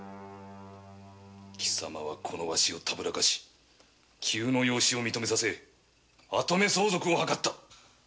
貴様はこのワシをたぶらかし急の養子を認めさせ跡目相続を謀った。